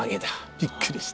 びっくりした。